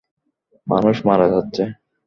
মানুষ মারা যাচ্ছে।